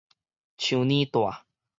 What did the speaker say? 樹乳帶